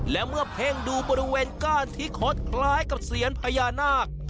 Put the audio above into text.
และเมื่อเพ่งดูบริเวณก้านที่คดคล้ายกับเซียนพญานาค